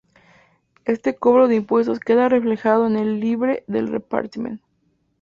Este cobro de impuestos queda reflejado en el Llibre del Repartiment.